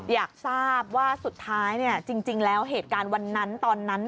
อยากทราบว่าสุดท้ายจริงแล้วเหตุการณ์วันนั้นตอนนั้น